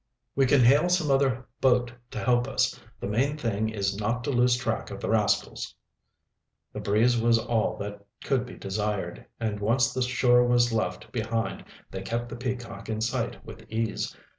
"We can hail some other boat to help us. The main thing is not to lose track of the rascals." The breeze was all that could be desired, and once the shore was left behind they kept the Peacock in sight with ease.